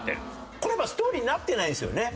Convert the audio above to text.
これはストーリーになってないんですよね。